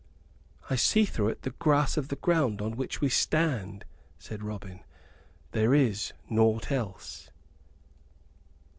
"I see through it the grass of the ground on which we stand," said Robin. "There is naught else."